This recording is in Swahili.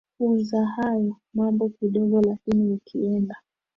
funza hayo mambo kidogo lakini ukienda